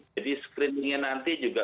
jadi screeningnya nanti juga